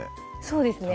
そうですね